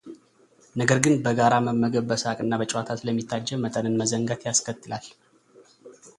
ነገር ግን በጋራ መመገብ በሳቅ እና በጨዋታ ስለሚታጀብ መጠንን መዘንጋት ያስከትላል።